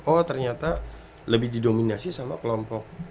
oh ternyata lebih didominasi sama kelompok